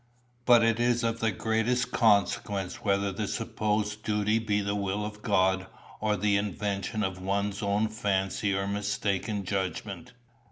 But it is of the greatest consequence whether the supposed duty be the will of God or the invention of one's own fancy or mistaken judgment.